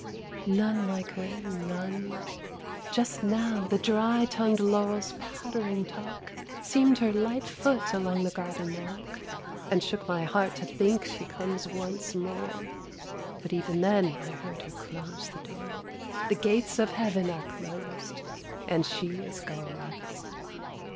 2. None like her, none. Just now the dry tongued laurels' pattering talk Seem'd her light foot along the garden walk, And shook my heart to think she comes once more; But even then I heard her close the door, The gates of Heaven are closed, and she is gone.